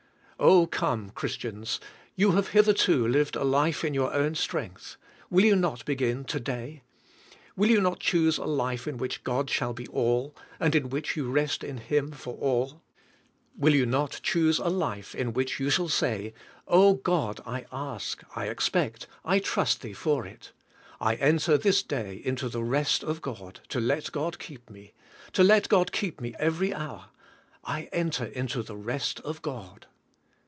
Oh, come. Christians, you have hitherto lived a life in your own strength. Will you not begin to day? Will you not choose a life in which God shall be all, and in which you rest in Him for all? Will you not choose a life in which you shall say: "Oh, God, I ask, I expect, I trust Thee for it. I enter this day into the rest of God to let God keep me; to let God keep me every hour. I enter into the rest of God."